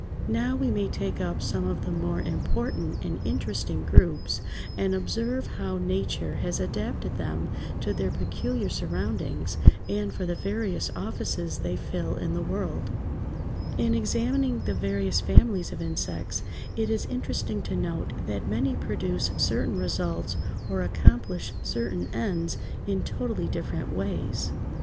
Now we may take up some of the more important and interesting groups and observe how Nature has adapted them to their peculiar surroundings, and for the various offices they fill in the world. [Illustration: FIG. 163. The Peripatus.] In examining the various families of insects it is interesting to note that many produce certain results or accomplish certain ends in totally different ways.